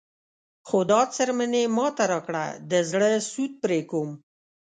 خو دا څرمن یې ماته راکړه د زړه سود پرې کوم.